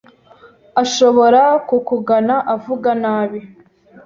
Ashobora kukugana avuga nabi